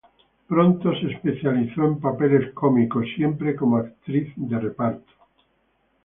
Pronto se especializó en papeles cómicos, siempre como actriz de reparto.